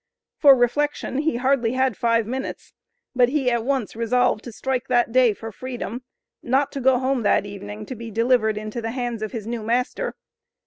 For reflection he hardly had five minutes. But he at once resolved to strike that day for freedom not to go home that evening to be delivered into the hands of his new master.